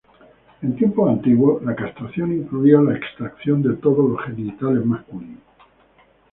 En tiempos antiguos, la castración incluía la extracción de todos los genitales masculinos.